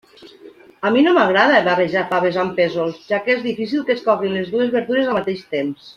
A mi no m'agrada barrejar faves amb pèsols, ja que és difícil que es coguin les dues verdures al mateix temps.